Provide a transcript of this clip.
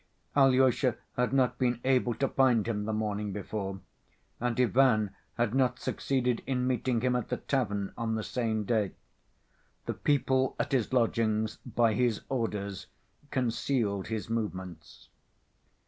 Alyosha had not been able to find him the morning before, and Ivan had not succeeded in meeting him at the tavern on the same day. The people at his lodgings, by his orders, concealed his movements.